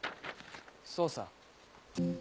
そうさ。